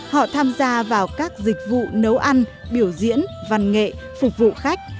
họ tham gia vào các dịch vụ nấu ăn biểu diễn văn nghệ phục vụ khách